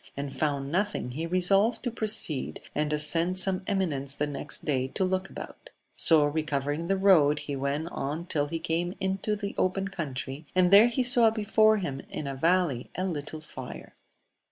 and found nothing, he resolved to proceed, and ascer ^ some eminence the next day to look about. recovering the road, he vreut. on \SX\l^ <iaxafe\s& 200 AMADI8 OF OAUL. open coontrj, and there he saw before him in a valley a little fire.